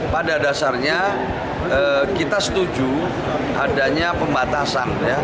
pada dasarnya kita setuju adanya pembatasan